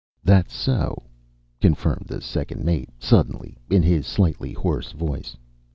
"That's so," confirmed the second mate, suddenly, in his slightly hoarse voice.